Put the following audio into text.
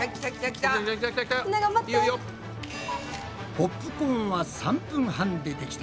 ポップコーンは３分半でできた。